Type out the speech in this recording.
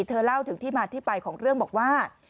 เล่าถึงที่มาที่ไปของเรื่องบอกว่า